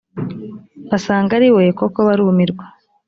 basanga ari we koko barumirwa